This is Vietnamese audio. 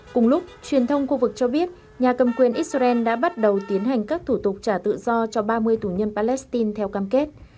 cùng lúc truyền thông khu vực cho biết nhà cầm quyền israel đã bắt đầu tiến hành các thủ tục trả tự do cho ba mươi tù nhân palestine theo cam kết